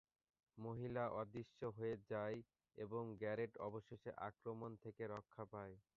মহিলা অদৃশ্য হয়ে যায় এবং গ্যারেট অবশেষে আক্রমণ থেকে রক্ষা পায়।